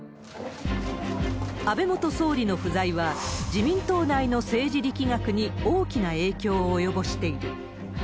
安倍元総理の不在は、自民党内の政治力学に大きな影響を及ぼしている。